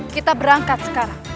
kita berangkat sekarang